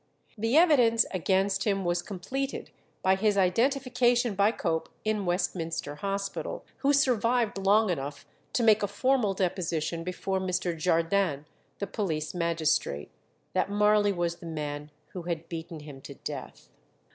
The evidence against him was completed by his identification by Cope in Westminster Hospital, who survived long enough to make a formal deposition before Mr. Jardine, the police magistrate, that Marley was the man who had beaten him to death.